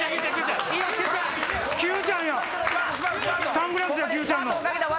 サングラスやＱちゃんの。